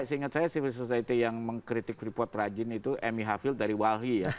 seingat saya civil society yang mengkritik free port rajin itu amy haffield dari walhi ya